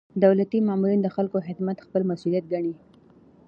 دولتي مامورین د خلکو خدمت خپل مسؤلیت ګڼي.